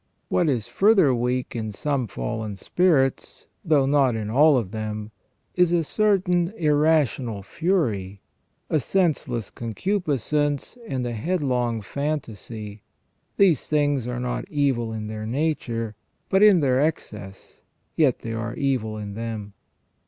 183 What is further weak in some fallen spirits, though not in all of them, is a certain irrational fury, a senseless concupiscence and a headlong fantasy. These things are not evil in their nature, but in their excess, yet they are evil in them.